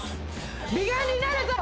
美顔になるぞ！